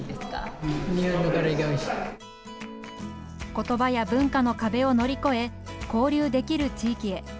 ことばや文化の壁を乗り越え交流できる地域へ。